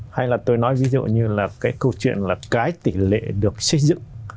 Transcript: hay là tôi nói ví dụ như là cái câu chuyện là cái tỷ lệ được xây dựng